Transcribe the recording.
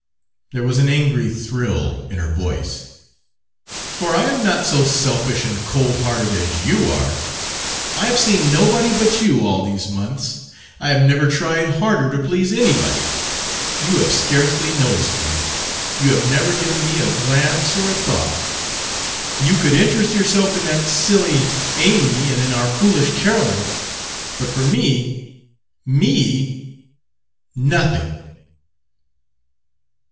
There was an angry thrill in her voice. "For I am not so selfish and cold hearted as you are. I have seen nobody but you all these months. I have never tried harder to please anybody. You have scarcely noticed me you have never given me a glance or a thought. You could interest yourself in that silly Amy and in our foolish Carolyn; but for me me Nothing!"